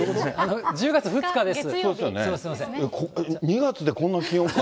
１０月２日です。